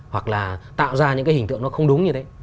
hoặc là tạo ra những cái hình tượng nó không đúng như thế